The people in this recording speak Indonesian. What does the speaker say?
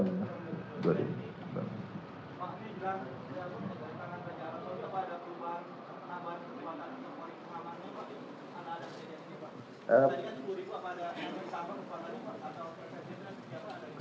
maksudnya sudah berjalan jalan atau ada perubahan penambahan kekuatan